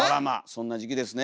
そんな時期ですね。